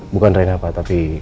bukan reina pak tapi